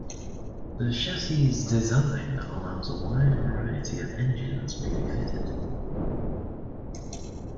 The chassis design allows a wide variety of engines may be fitted.